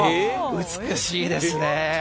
美しいですね。